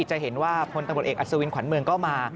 จะเห็นว่าพลตำรวจเอกอัศวินขวัญเมืองก็มา